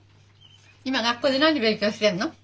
今学校で何勉強してるの？